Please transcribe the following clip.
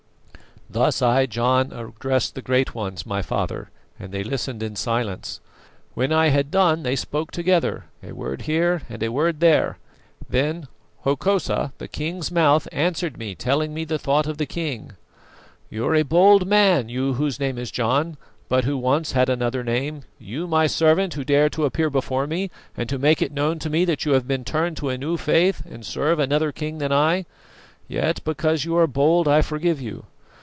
"Thus I, John, addressed the great ones, my father, and they listened in silence. When I had done they spoke together, a word here and a word there. Then Hokosa, the king's mouth, answered me, telling the thought of the king: 'You are a bold man, you whose name is John, but who once had another name you, my servant, who dare to appear before me, and to make it known to me that you have been turned to a new faith and serve another king than I. Yet because you are bold, I forgive you.